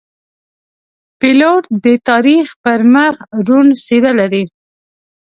پیلوټ د تاریخ پر مخ روڼ څېره لري.